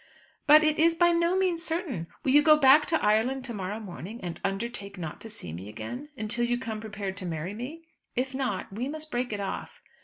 "But it is by no means certain. Will you go back to Ireland to morrow morning, and undertake not to see me again, until you come prepared to marry me? If not we must break it off."